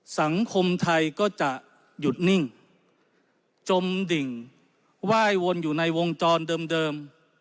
สังคมไทยก็จะหยุดนิ่งจมดิ่งไหว้วนอยู่ในวงจรเดิม